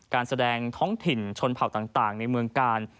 การแสดงท้องถิ่นชนเผ่าต่างในเมืองกาล